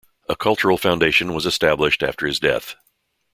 A cultural foundation was established after his death.